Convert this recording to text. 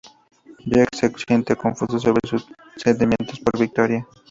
Jack se siente confuso sobre sus sentimientos por Victoria.